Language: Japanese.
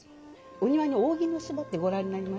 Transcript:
お庭に扇の芝ってご覧になりましたか？